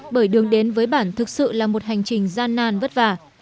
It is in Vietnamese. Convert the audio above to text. bởi đường đến với bản thực sự là một hành trình gian nan vất vả